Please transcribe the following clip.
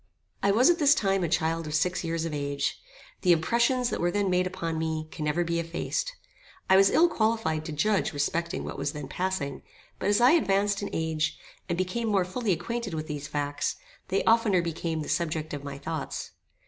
I was at this time a child of six years of age. The impressions that were then made upon me, can never be effaced. I was ill qualified to judge respecting what was then passing; but as I advanced in age, and became more fully acquainted with these facts, they oftener became the subject of my thoughts.